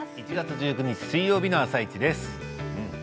１月１９日水曜日の「あさイチ」です。